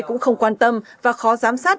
cũng không quan tâm và khó giám sát